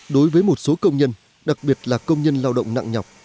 đối với một số công nhân đặc biệt là công nhân lao động nặng nhọc